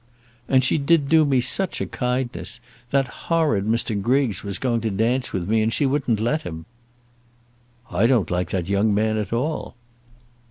"And she did do me such a kindness. That horrid Mr. Griggs was going to dance with me, and she wouldn't let him." "I don't like that young man at all."